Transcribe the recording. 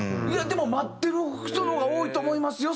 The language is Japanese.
でも待ってる人の方が多いと思いますよ